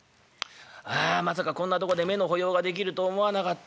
「ああまさかこんなとこで目の保養ができると思わなかった。